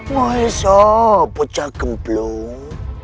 maesah pecah kembelung